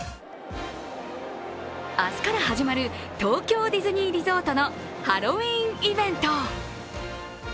明日から始まる東京ディズニーリゾートのハロウィーンイベント。